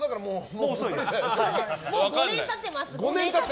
もう５年経ってます。